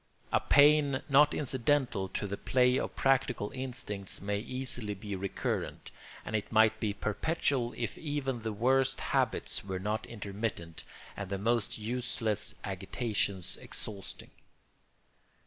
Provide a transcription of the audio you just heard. A pain not incidental to the play of practical instincts may easily be recurrent, and it might be perpetual if even the worst habits were not intermittent and the most useless agitations exhausting.